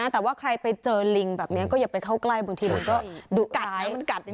แต่ว่าใครไปเจอลิงแบบนี้ก็อย่าไปเข้าใกล้บางทีมันก็ดุร้าย